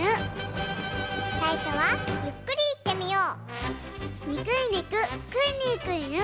さいしょはゆっくりいってみよう。